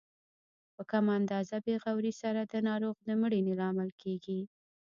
په کمه اندازه بې غورۍ سره د ناروغ د مړینې لامل کیږي.